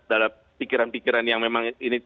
dalam pikiran pikiran yang memang ini